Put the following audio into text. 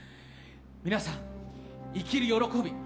皆さん、生きる喜び。